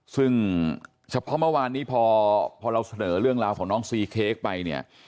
ซึ่งเฉพาะเมื่อวานนี้พอเราเสนอเรื่องราวของน้องซีเค้กไปเนี่ย